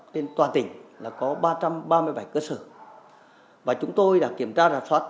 trên toàn tỉnh là có ba trăm ba mươi bảy cơ sở và chúng tôi đã kiểm tra rà soát